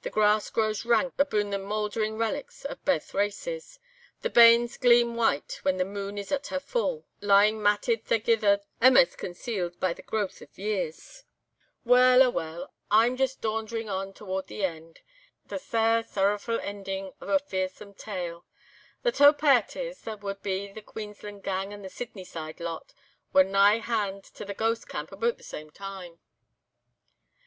The grass grows rank abune the mouldering relics o' baith races. The banes gleam white when the moon is at her full, lying matted thegither amaist concealed by the growth of years. "Weel, aweel! I'm just daundering on toward the eend, the sair, sorrowfu' eending o' a fearsome tale. The twa pairties, that wad be the Queensland gang, and the Sydney side lot, were nigh hand to the 'Ghost Camp' aboot the same time.